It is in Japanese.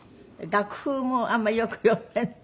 楽譜もあんまりよく読めないって。